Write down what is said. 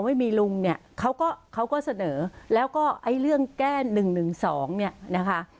ไม่มีลุงเนี่ยเขาก็เขาก็เสนอแล้วก็ไอ้เรื่องแก้๑๑๒เนี่ยนะคะ